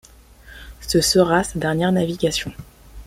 Ce sera sa dernière navigation.